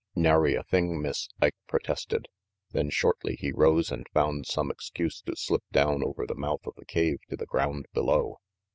"Nary a thing, Miss," Ike protested, then shortly RANGY PETE 405 he rose and found some excuse to slip down over the mouth of the cave to the ground below.